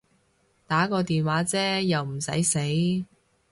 打個電話啫又唔駛死